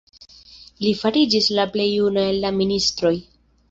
Li fariĝis la plej juna el la ministroj.